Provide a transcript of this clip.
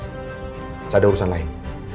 saya ada urusan lain